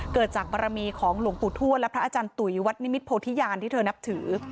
เกิดจากบารมีของหลวงปู่ทวดและพระอาจารย์ตุ๋ยวัดนิมิตโพธิญาณที่เธอนับถือ